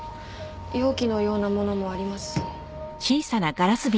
容器のようなものもありますし。